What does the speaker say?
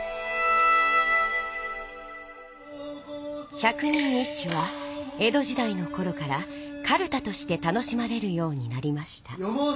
「百人一首」は江戸時代のころからかるたとして楽しまれるようになりました。